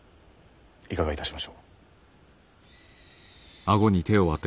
いかがいたしましょう？